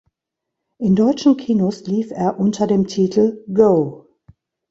In deutschen Kinos lief er unter dem Titel Go!